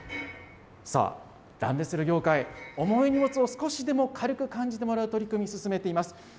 さあ、ランドセル業界、重い荷物を少しでも軽く感じてもらう取り組み、進めています。